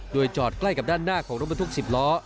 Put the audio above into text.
โดยจอดใกล้กับด้านหน้าของรถบรรทุก๑๐ล้อ